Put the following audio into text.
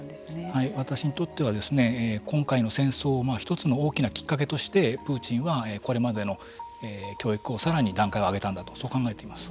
はい私にとっては今回の戦争を一つの大きなきっかけとしてプーチンはこれまでの教育を更に段階を上げたんだとそう考えています。